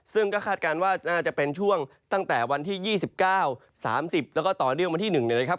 ซึ่งก็คาดการณ์ว่าน่าจะเป็นช่วงตั้งแต่วันที่๒๙๓๐แล้วก็ต่อเนื่องวันที่๑เนี่ยนะครับ